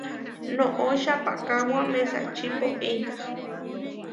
Noʼo čapakáwa mesačí pói.